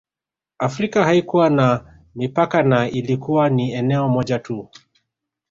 Afrika haikuwa na mipaka na ilikuwa ni eneo moja tu